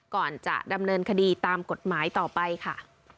ก่อนจะดำเนินคดีตามกฎหมายต่อไปค่ะ